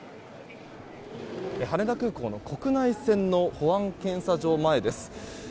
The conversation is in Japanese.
羽田空港の国内線の保安検査場前です。